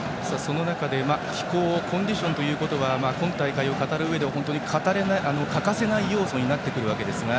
その中で、気候コンディションということは今大会を語るうえで本当に欠かせない要素になってくるわけですが。